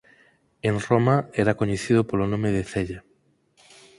En Roma era coñecido polo nome de cella.